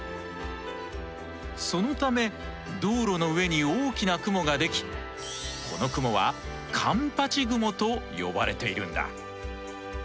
そのため道路の上に大きな雲ができこの雲は環八雲と呼ばれているんだ。